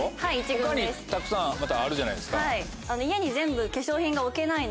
他にたくさんあるじゃないですか。